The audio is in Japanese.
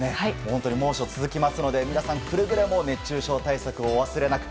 本当に猛暑続きますので皆さん、くれぐれも熱中症対策お忘れなく。